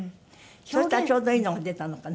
そしたらちょうどいいのが出たのかな？